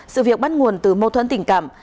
sự việc bắt nguồn từ mâu thuẫn tình cảm